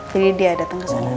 jadi dia datang kesana